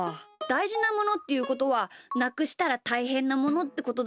だいじなものっていうことはなくしたらたいへんなものってことだよな。